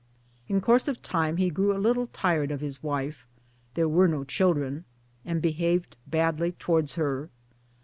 In course of time he grew a little tired of his wife MANUAL WORK 1121 '(there were no children) and behaved badly towards her.